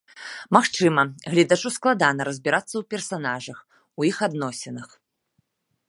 Магчыма, гледачу складана разбірацца ў персанажах, у іх адносінах.